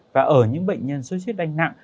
và ở những bệnh nhân suất huyết đanh nặng